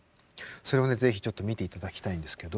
それをね是非ちょっと見ていただきたいんですけど。